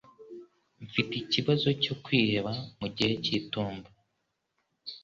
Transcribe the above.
Mfite ikibazo cyo kwiheba mugihe cyitumba.